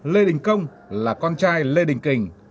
lê đình công là con trai lê đình kình